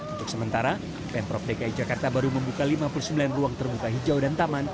untuk sementara pemprov dki jakarta baru membuka lima puluh sembilan ruang terbuka hijau dan taman